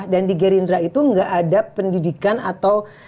dan di gerindra itu gak ada pendidikan atau di kampanye itu